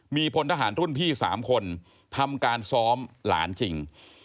มีพลทหารรุ่นพี่๓คนทำการซ้อมหลานจริง